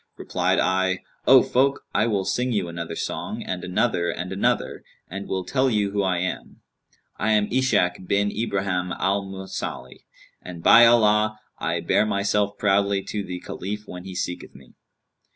Replied I, 'O folk, I will sing you another song and another and another and will tell you who I am. I am Ishak bin Ibrahim al Mausili, and by Allah, I bear myself proudly to the Caliph when he seeketh me.